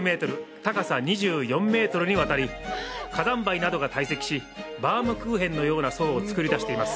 高さ２４メートルにわたり火山灰などが堆積しバームクーヘンのような層をつくり出しています。